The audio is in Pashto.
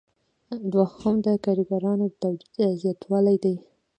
دوهم د کاریګرانو د تولید زیاتول دي.